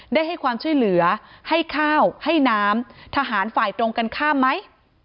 ได้ให้ความช่วยเหลือให้ข้าวให้น้ำทหารฝ่ายตรงกันข้ามไหม